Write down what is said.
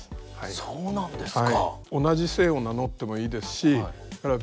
そうなんですか。